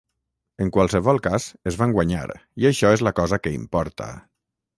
En qualsevol cas, es van guanyar i això és la cosa que importa.